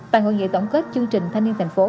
tại hội nghị tổng kết chương trình thanh niên thành phố